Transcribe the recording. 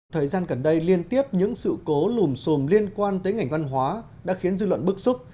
thời gian gần đây liên tiếp những sự cố lùm xùm liên quan tới ngành văn hóa đã khiến dư luận bức xúc